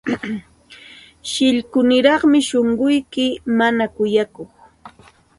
Shillkuniraqmi shunquyki, mana kuyakuq.